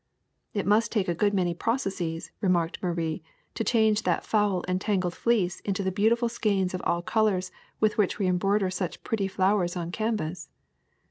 '* ''It must take a good many processes,'' remarked Marie, "to change that foul and tangled fleece into the beautiful skeins of all colors with which we em broider such pretty flowers on canvas."